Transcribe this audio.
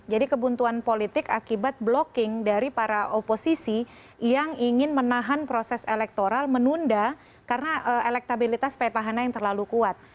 jadi kebuntuan politik akibat blocking dari para oposisi yang ingin menahan proses elektoral menunda karena elektabilitas petahana yang terlalu kuat